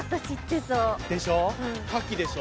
でしょ？